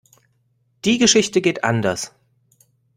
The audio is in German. Die Geschichte geht anders.